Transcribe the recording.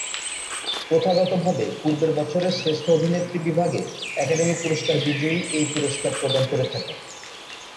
প্রথাগতভাবে পূর্বের বছরের শ্রেষ্ঠ অভিনেত্রী বিভাগে একাডেমি পুরস্কার বিজয়ী এই পুরস্কার প্রদান করে থাকেন।